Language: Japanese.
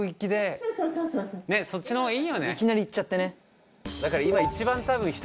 いきなり行っちゃってね。